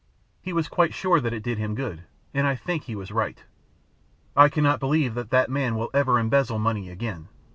He was quite sure that it did him good; and I think he was right. I cannot believe that that man will ever embezzle money again.